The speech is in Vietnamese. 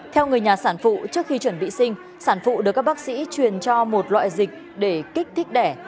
theo người nhà sản phụ trước khi chuẩn bị sinh sản phụ được các bác sĩ truyền cho một loại dịch để kích thích đẻ